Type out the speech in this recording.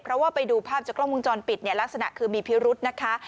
เพราะว่าไปดูภาพจากกล้องวงจรปิดเนี่ยลักษณะคือมีพิรุธนะคะ